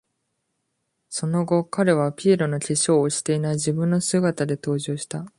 その後、彼は、ピエロの化粧をしていない自分の姿で登場した。